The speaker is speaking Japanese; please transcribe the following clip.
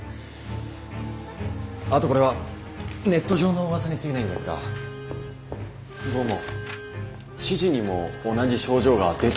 あとこれはネット上のうわさにすぎないんですがどうも知事にも同じ症状が出ているんじゃないかという話も。